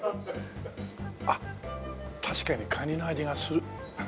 あっ確かにカニの味がする。